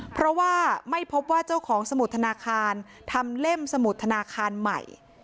เพราะว่าไม่พบว่าเจ้าของสมุดธนาคารทำเล่มสมุดธนาคารใหม่